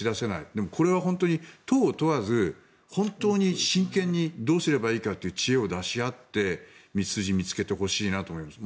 でもこれは本当に党を問わず、本当に真剣にどうすればいいかという知恵を出し合って道筋を見つけてほしいなと思います。